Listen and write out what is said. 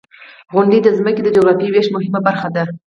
• غونډۍ د ځمکې د جغرافیوي ویش مهمه برخه ده.